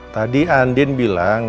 tadi andien bilang